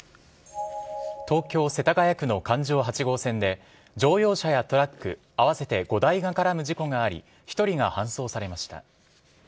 東京・世田谷区の環状８号線で乗用車やトラック合わせて５台が絡む事故があり１人が搬送されました。